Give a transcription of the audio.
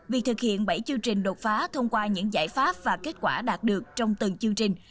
việc thực hiện bảy chương trình đột phá thông qua những giải pháp và kết quả đạt được trong từng chương trình